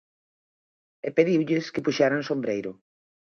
E pediulles que puxeran sombreiro.